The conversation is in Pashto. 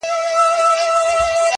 خو ايمـــانونه په پېسـو نه کيـــږي